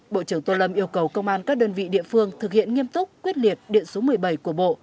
bộ trưởng tô lâm yêu cầu công an các đơn vị địa phương thực hiện nghiêm túc quyết liệt điện số một mươi bảy của bộ